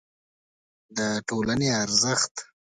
د ټولنې ارزښت